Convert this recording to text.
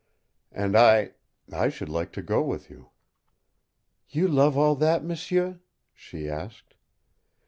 "And I I should like to go with you." "You love all that, m'sieu?" she asked.